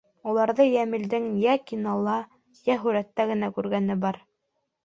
Уларҙы Йәмилдең йә кинола, йә һүрәттә генә күргәне бар.